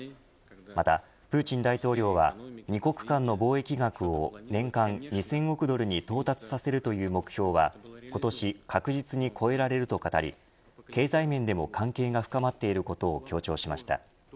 またプーチン大統領は２国間の貿易額を年間２０００億ドルに到達させるという目標は今年確実に超えられると語り経済面でも関係が深まっていることを強調しました。